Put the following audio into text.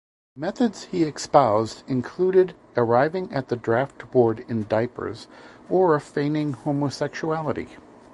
Methods he espoused included arriving at the draft board in diapers or feigning homosexuality.